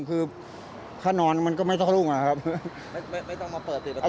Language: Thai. คือข้างนอนมันก็ไม่ต้องเข้ารุ่งอ่ะครับไม่ต้องมาเปิดเปลี่ยนประตูอ่ะ